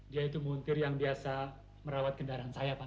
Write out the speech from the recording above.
dia itu muntir yang biasa merawat kendaraan saya pak